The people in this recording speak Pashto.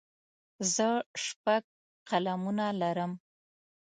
زه شپږ قلمونه لرم.